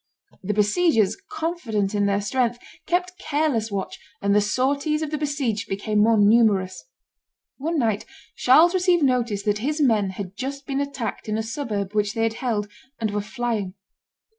The besiegers, confident in their strength, kept careless watch, and the sorties of the besieged became more numerous. One night Charles received notice that his men had just been attacked in a suburb which they had held, and were flying.